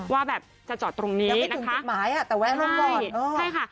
ว่าแบบจะจอดตรงนี้นะคะยังไม่ถึงติดหมายอ่ะแต่แวะล่มก่อนใช่ค่ะ